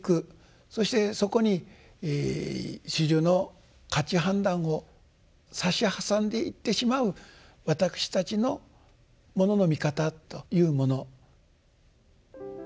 そしてそこに種々の価値判断を差し挟んでいってしまう私たちのものの見方というもの。